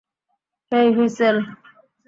হেই, whistle!